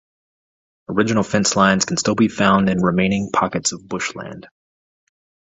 Original fencelines can still be found in remaining pockets of bushland.